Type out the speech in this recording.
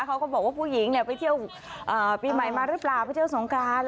เขาก็บอกว่าผู้หญิงไปเที่ยวปีใหม่มาหรือเปล่าไปเที่ยวสงกราน